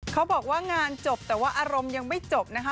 เขาบอกว่างานจบแต่ว่าอารมณ์ยังไม่จบนะคะ